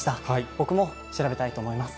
僕も調べたいと思います。